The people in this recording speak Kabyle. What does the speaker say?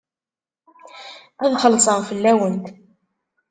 Ad xellṣeɣ fell-awent.